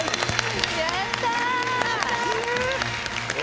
やった！